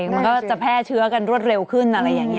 มันก็จะแพร่เชื้อกันรวดเร็วขึ้นอะไรอย่างนี้